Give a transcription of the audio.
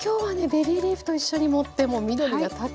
ベビーリーフと一緒に盛ってもう緑がたくさん。